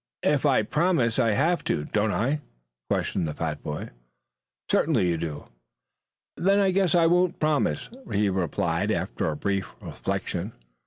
"If I promise I have to, don't I?" questioned the fat boy. "Certainly you do." "Then I guess I won't promise," he replied after a brief reflection.